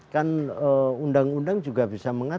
kan undang undang juga bisa mengatur